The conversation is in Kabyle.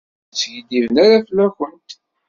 Ur skiddiben ara fell-akent.